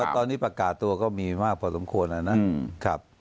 ตอนนี้ประกาศตัวก็มีมากพอสมควรแล้วนะครับ